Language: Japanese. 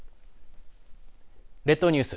列島ニュース